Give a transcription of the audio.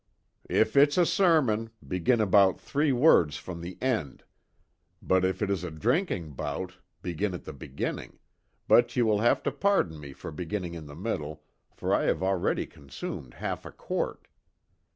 "If it's a sermon, begin about three words from the end; but if it is a drinking bout, begin at the beginning, but you will have to pardon me for beginning in the middle, for I have already consumed half a quart."